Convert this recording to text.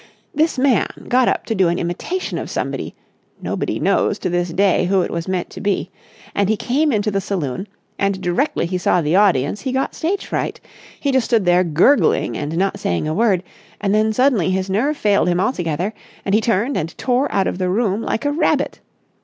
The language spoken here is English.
"This man got up to do an imitation of somebody—nobody knows to this day who it was meant to be—and he came into the saloon and directly he saw the audience he got stage fright. He just stood there gurgling and not saying a word, and then suddenly his nerve failed him altogether and he turned and tore out of the room like a rabbit.